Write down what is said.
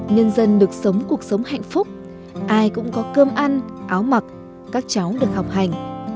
nhân dân được sống cuộc sống hạnh phúc ai cũng có cơm ăn áo mặc các cháu được học hành